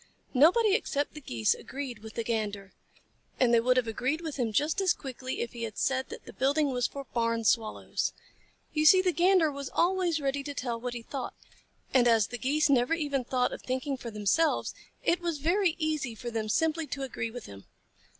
Nobody except the Geese agreed with the Gander, and they would have agreed with him just as quickly if he had said that the building was for Barn Swallows. You see the Gander was always ready to tell what he thought, and as the Geese never even thought of thinking for themselves, it was very easy for them simply to agree with him.